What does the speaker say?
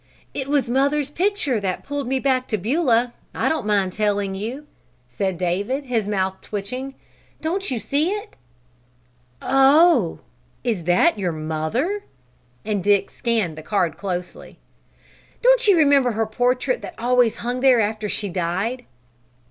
"It was mother's picture that pulled me back to Beulah, I don't mind telling you," said David, his mouth twitching. "Don't you see it?" "Oh! Is that your mother?" And Dick scanned the card closely. "Don't you remember her portrait that always hung there after she died?"